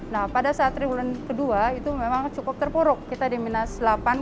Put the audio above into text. nah pada saat triwulan kedua itu memang cukup terpuruk kita di minus delapan puluh